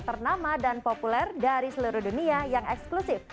ternama dan populer dari seluruh dunia yang eksklusif